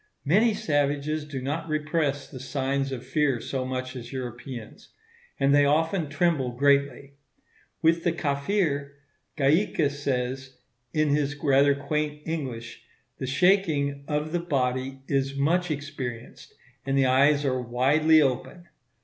Many savages do not repress the signs of fear so much as Europeans; and they often tremble greatly. With the Kafir, Gaika says, in his rather quaint English, the shaking "of the body is much experienced, and the eyes are widely open."